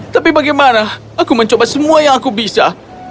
tapi bagaimana aku mencoba semua yang aku bisa